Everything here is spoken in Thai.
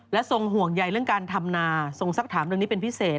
ทรงห่วงใยเรื่องการทำนาทรงสักถามเรื่องนี้เป็นพิเศษ